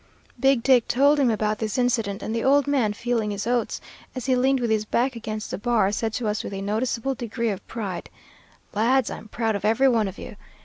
"Big Dick told him about this incident, and the old man feeling his oats, as he leaned with his back against the bar, said to us with a noticeable degree of pride, 'Lads, I'm proud of every one of you.